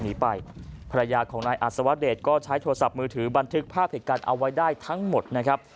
หนีไปภรรยาของนายอัศวเดชก็ใช้โทรศัพท์มือถือบันทึกภาพเหตุการณ์เอาไว้ได้ทั้งหมดนะครับ